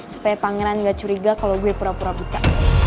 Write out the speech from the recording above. supaya pangeran gak curiga kalau gue pura pura puta